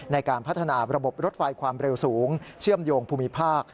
ในการพัฒนาระบบรถไฟความเร็วสูงเชื่อมโยงภูมิภาค